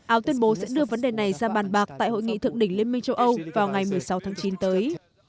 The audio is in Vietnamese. áo tuyên bố sẽ đưa vấn đề này ra bàn bạc tại hội nghị thượng đỉnh liên minh châu âu vào ngày một mươi sáu tháng chín tới